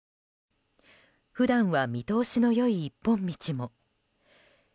普段は見通しの良い一本道も。